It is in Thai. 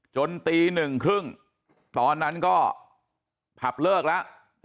ตีหนึ่งครึ่งตอนนั้นก็ผับเลิกแล้ว